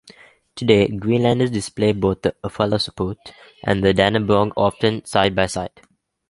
Today, Greenlanders display both the "Erfalasorput" and the "Dannebrog"-often side-by-side.